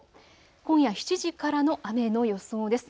今夜７時からの雨の予想です。